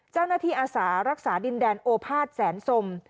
เจ้าหน้าที่อาสารักษาดินแดนโอภาสแสนสม